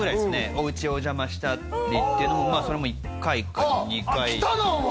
おうちお邪魔したりってのもそれも１回か２回来たなお前！